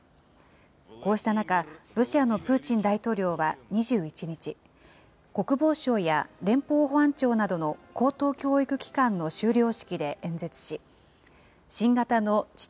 こうした中、ロシアのプーチン大統領は２１日、国防省や連邦保安庁などの高等教育機関の修了式で演説し、新型の地